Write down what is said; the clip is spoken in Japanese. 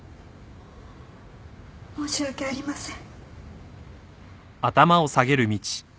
申し訳ありません。